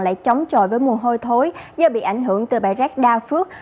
lại chống trội với mùa hôi thối do bị ảnh hưởng từ bãi rác đa phước